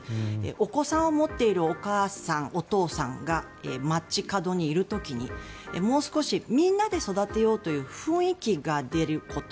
お子さんを持っているお母さん、お父さんが街角にいる時にもう少し、みんなで育てようという雰囲気が出ること。